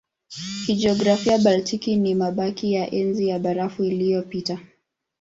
Kijiografia Baltiki ni mabaki ya Enzi ya Barafu iliyopita.